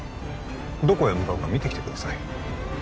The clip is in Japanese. どこへ向かうか見てきてください